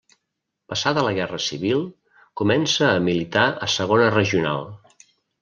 Passada la Guerra Civil, comença a militar a Segona Regional.